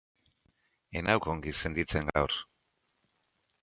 Ez nauk ongi senditzen gaur.